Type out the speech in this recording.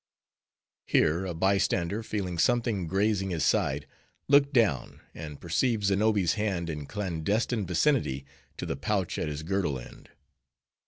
Here, a bystander, feeling something grazing his side, looked down; and perceived Znobbi's hand in clandestine vicinity to the pouch at his girdle end.